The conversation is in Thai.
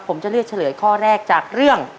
ผมจะเลือกเฉลยข้อแรกจากเรื่อง